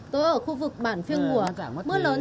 tôi ở khu vực bản phiêng ngùa mưa lớn